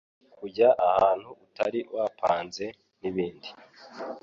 kujya ahantu utari wapanze, n'ibindi.